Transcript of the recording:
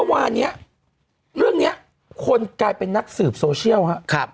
เมื่อวานนี้เรื่องนี้คนกลายเป็นนักสืบโซเชียลครับ